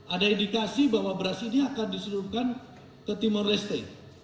ada indikasi bahwa beras ini akan diseluruhkan ke timur leste